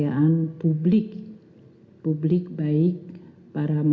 dan nuekanlah vaksinasi bagi program a empat